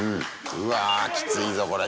うわきついぞこれ。